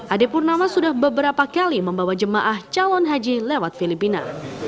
ade purnama sudah beberapa kali membawa jemaah calon haji lewat filipina